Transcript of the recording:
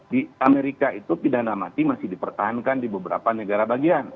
di amerika itu pidana mati masih dipertahankan di beberapa negara bagian